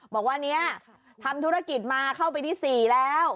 บอกว่าเนี่ยทำธุรกิจมาเข้าปีที่๔แล้ว